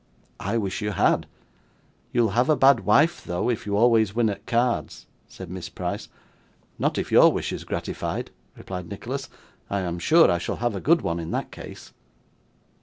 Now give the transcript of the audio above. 'I wish you had.' 'You'll have a bad wife, though, if you always win at cards,' said Miss Price. 'Not if your wish is gratified,' replied Nicholas. 'I am sure I shall have a good one in that case.